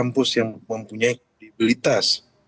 mereka mempunyai kredibilitas